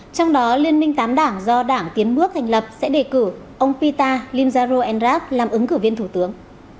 trong đó liên minh tám đảng do đảng tiến bước thành lập sẽ đề cử ông pita limzaro enrak làm ứng cử viên thủ tướng